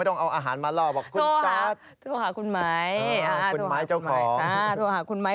โทรหาคุณไม้